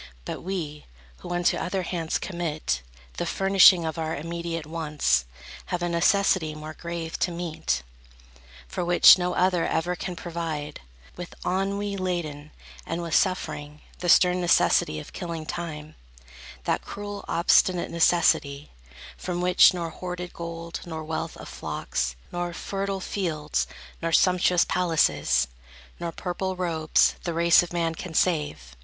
But we, who unto other hands commit The furnishing of our immediate wants, Have a necessity more grave to meet, For which no other ever can provide, With ennui laden, and with suffering; The stern necessity of killing time; That cruel, obstinate necessity, From which, nor hoarded gold, nor wealth of flocks, Nor fertile fields, nor sumptuous palaces, Nor purple robes, the race of man can save.